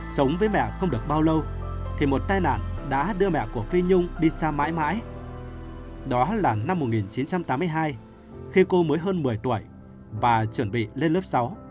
sống với mẹ không được bao lâu thì một tai nạn đã đưa mẹ của phi nhung đi xa mãi mãi đó là năm một nghìn chín trăm tám mươi hai khi cô mới hơn một mươi tuổi và chuẩn bị lên lớp sáu